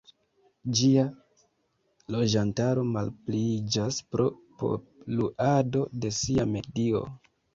Ĝia loĝantaro malpliiĝas pro poluado de sia medio.